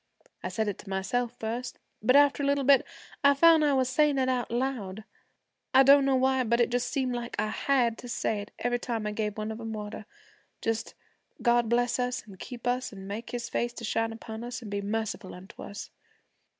I said it to myself first, but after a little bit, I found I was sayin' it out loud. I don't know why, but it seemed like I had to say it every time I gave one of 'em water. Just "God bless us an' keep us an' make his face to shine upon us and be merciful unto us."